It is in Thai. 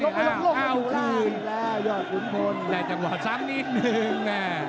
เอาคืนแล้วยอดขุนพลได้จังหวะซ้ำนิดนึง